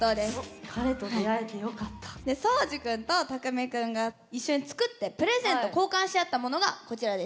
そうじくんとたくみくんが一緒に作ってプレゼント交換し合ったものがこちらです。